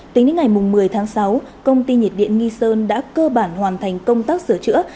tính đến ngày một mươi tháng sáu công ty nhiệt điện nghi sơn đã cơ bản hoàn thành công tác sửa chữa